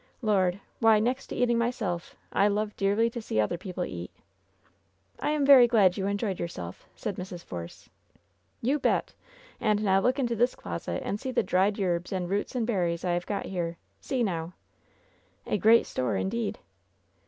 Lord 1 why, next to eating myself I love dearly to see other people eat.'* "I am very glad you enjoyed yourself/' said Mrs. Force. "You bet ! And now look into this closet, and see the dried yerbs and roots and berries I have got here. See nowr "A great store, indeed.'